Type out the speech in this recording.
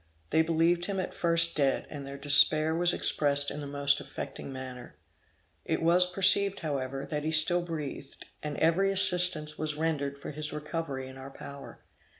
They believed him at first dead, and their despair was expressed in the most affecting manner. It was perceived, however, that he still breathed, and every assistance was rendered for his recovery in our power.